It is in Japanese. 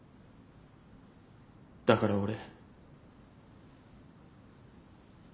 だから俺。